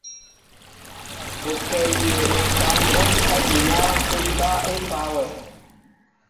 O kɛl yɛɛ epal hom adina ekáá epa wɛ.